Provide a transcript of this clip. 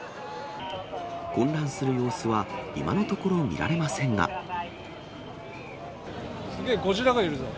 混乱する様子は今のところ、すげー、ゴジラがいるぞ。